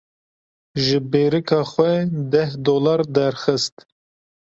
Ji bêrîka xwe deh dolar derxist.